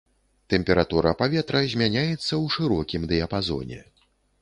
Тэмпература паветра змяняецца ў шырокім дыяпазоне.